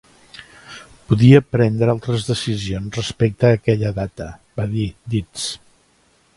"Podia prendre altres decisions respecte a aquella data", va dir Dietz.